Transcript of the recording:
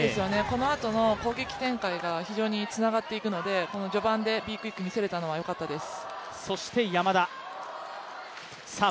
このあとの攻撃展開が非常につながっていくのでこの序盤でＢクイック見せれたのはよかったです。